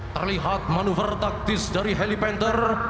terlihat manuver taktis dari helipanter